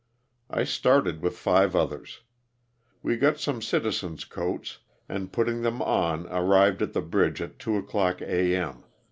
I started with five others. We got some citizens' coats and putting them on arrived at the bridge at two o'clock A. m.